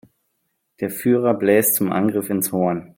Der Führer bläst zum Angriff ins Horn.